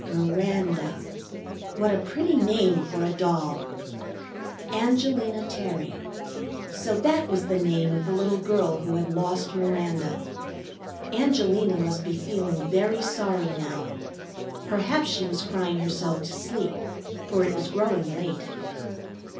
Miranda; what a pretty name for a doll! Angelina Terry; so that was the name of the little girl who had lost Miranda. Angelina must be feeling very sorry now. Perhaps she was crying herself to sleep, for it was growing late.